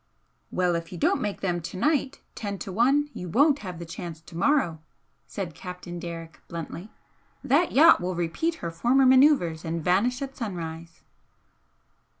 "Well, if you don't make them to night ten to one you won't have the chance to morrow!" said Captain Derrick, bluntly "That yacht will repeat her former manoeuvres and vanish at sunrise."